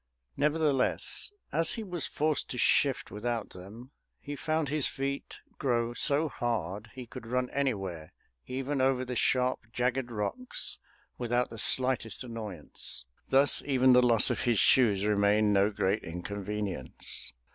Nevertheless, as he was forced to shift without them, he found his feet grow so hard, he could run anywhere even over the sharp jagged rocks without the slightest annoyance. Thus even the loss of his shoes remained no great inconvenience.